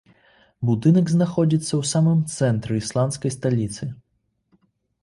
Будынак знаходзіцца ў самым цэнтры ісландскай сталіцы.